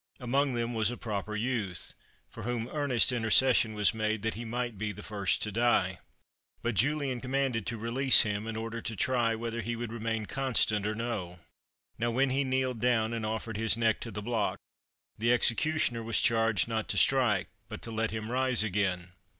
Among them was a proper youth, for whom earnest intercession was made, that he might be the first to die. But Julian commanded to release him, in order to try whether he would remain constant or no. Now, when he kneeled down and offered his neck to the block, the executioner was charged not to strike, but to let him rise again.